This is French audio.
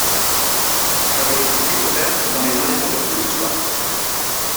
Elle a été découverte dans les environs de Bruce Rock.